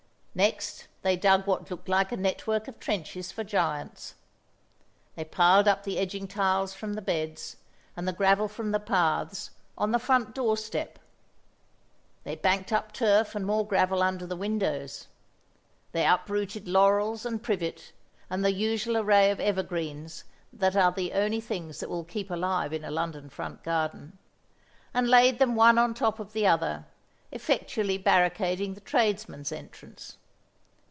Next they dug what looked like a network of trenches for giants. They piled up the edging tiles from the beds, and the gravel from the paths, on the front door step; they banked up turf and more gravel under the windows; they uprooted laurels and privet, and the usual array of evergreens that are the only things that will keep alive in a London front garden, and laid them one on top of the other, effectually barricading the tradesmen's entrance.